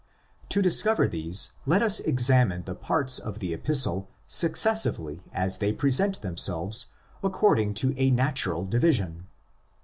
To discover these, let us examine the parts of the Epistle successively as they present themselves accord ing to a natural division.